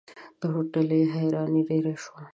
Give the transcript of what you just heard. د هوټلي حيراني ډېره شوه.